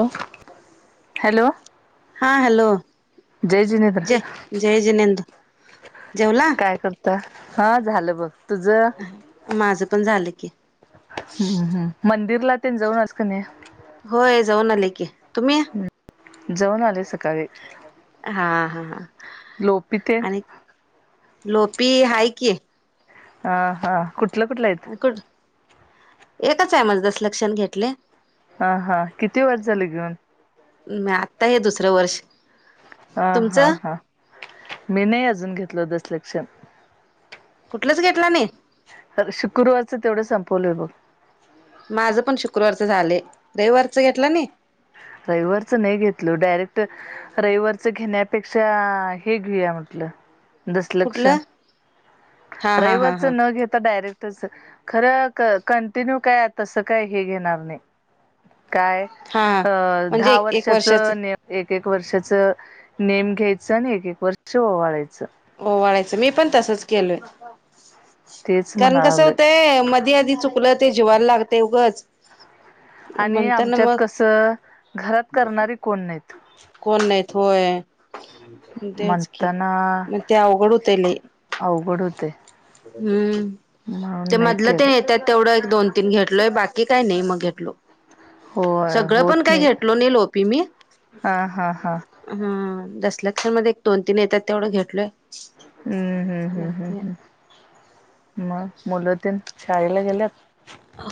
हॅ हा हॅलो! जय जिनेंद्र जय जय जिनेन्द्र. जेवला. काय करता? हा झालं बघ तुझं माझं पण झालं की हम्म हम् मंदिरला ते जाऊन अस का नाही होय जाऊन आले की तुम्ही जाऊन आले सकाळी हां हां हां लोपीित लोप हक हा हा कुठलं कुठलं आहे ु एकच आहे माझ दस लक्षण घेतले हा हा किती वर झाले घेऊन म आत्ता हे दुसरं वर्ष हा हा तुमचं हा मी नाही अजून घेतल दसलक्षण कुठलच घेतला नाही शुक्रवारचं तेवढ संपवलंय बघ माझं पण शुक्रवारचं झाले रविवारचं घेतलं नाही र्रवरच नाही घेतलो डायरेक्ट रविवारच घेण्यापेक्षा हे घेऊया म्हटलं दसलक्ष कुठलं हा हा हा रविवारच हा न घेता डायरेक्ट त खर कंटिन्यू काय तसं काय हे घेणार नाही काय हा अ म्हणजे दहा एक एक वर्षाच नि एक एक वर्षाच नेम घ्यायचं आणि एक एक वर्ष ओवाळायच हो वाढयचं मी पण तसच केलोय तेच कारण म्हणा कस लागलोय होतंय मधी आधी चुकलं ते जिवायला लागत एगंच आणि आमच्यात कसं घरात करणारी कोण नाहीत कोण नाहीत होय तेच की म्हणताना मग ते अवघडूतले अवघड होते हम्म ते मधलं ते केलं येतात तेवढं एक दोन तीन घेतलोय बाकी काही नाही मग घेतलो होय सगळं पण होत काही घेतलो नाही लोपी मी हा हा हा हम दस ल तर मध्ये एक दोन तीन येतात तेवढं घेटलोय हम्म हम्म हम्म हम्म हम् मग मुलंधन शाळेला गेल्यात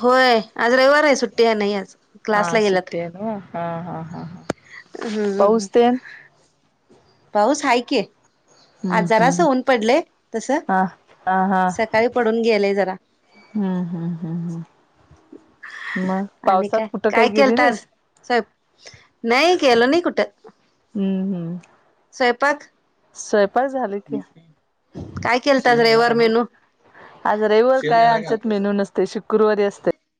होय आज रविवार आहे सुट्टी आहे नाही आज हा क्लासला गेलात सु्टे ना हा हा हा हा हम्म पाऊसायक हम्म आजारास हम्म होऊन पडले तस हा हा हा सकाळी पडून गेलेय जरा हम्म हम्म हम्म हम् मग पावसात कुठं काही गेले नाहीस साहेब नाही केलं न कुठ हम्म हम्म स्वयंपाक स्वयपा झाली काय केलताच रविवार मेनू? आज रविवर काय आणच्यात मेनू नसत ते शुक्रवारी असते